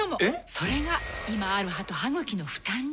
それが今ある歯と歯ぐきの負担に。